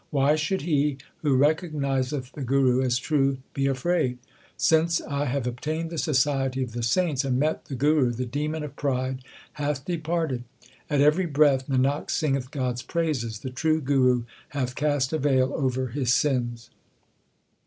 Why should he who recognizeth the Guru as true be afraid ? Since I have obtained the society of the saints And met the Guru, the demon of pride hath departed. At every breath Nanak singeth God s praises ; the true Guru hath cast a veil over his sins.